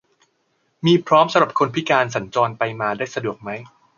มีพร้อมสำหรับคนพิการสัญจรไปมาได้สะดวกไหม